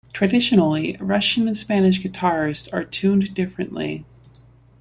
Traditionally, Russian and Spanish guitars are tuned differently.